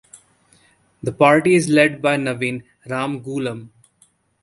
The party is led by Navin Ramgoolam.